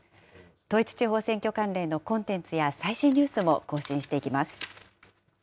統一地方選挙関連のコンテンツや最新ニュースも更新していきます。